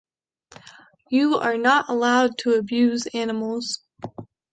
You are not allowed to abuse animals.